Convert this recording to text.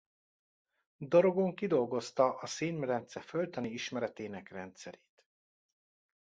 Dorogon kidolgozta a szénmedence földtani ismeretének rendszerét.